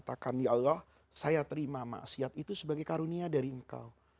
saya katakan ya allah saya terima maksiat itu sebagai karunia dari engkau